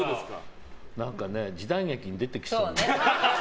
何かね、時代劇に出てきそう。